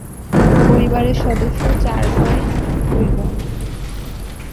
পরিবারের সদস্য চার ভাই দুই বোন।